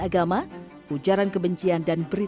agama ujaran kebencian dan berita